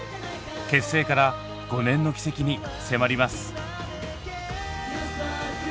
結成から５年の軌跡に迫ります。